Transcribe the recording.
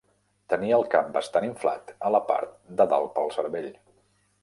Tenia el cap bastant inflat a la part de dalt pel cervell.